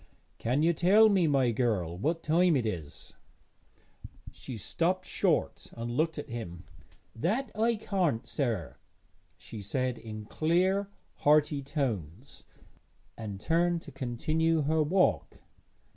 'Can you tell me, my girl, what time it is?' She stopped short and looked at him. 'That I can't, sir,' she said in clear hearty tones, and turned to continue her walk.